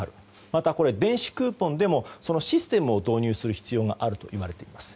また電子クーポンでもそのシステムを導入する必要があるといわれています。